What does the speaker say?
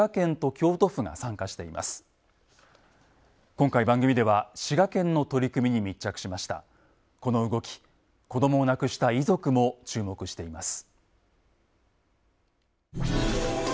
この動き子どもを亡くした遺族も注目しています。